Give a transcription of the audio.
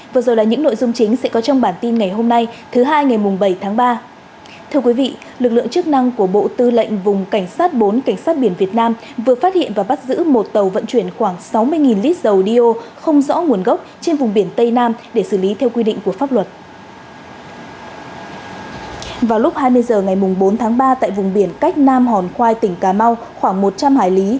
vào lúc hai mươi h ngày bốn tháng ba tại vùng biển cách nam hòn khoai tỉnh cà mau khoảng một trăm linh hải lý